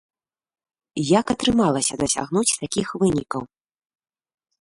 Як атрымалася дасягнуць такіх вынікаў?